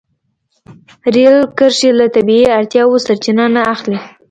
رېل کرښې له طبیعي اړتیاوو سرچینه نه اخلي.